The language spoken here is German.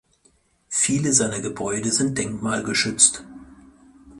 Viele seiner Gebäude sind denkmalgeschützt.